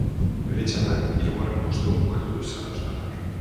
Bere txandan hirugarren postuan bukatu du zarauztarrak.